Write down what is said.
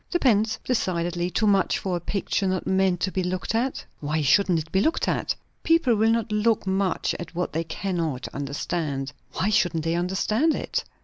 "Depends. Decidedly too much for a picture not meant to be looked at?" "Why shouldn't it be looked at?" "People will not look much at what they cannot understand." "Why shouldn't they understand it?"